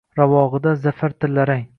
Ravog’ida za’far tillarang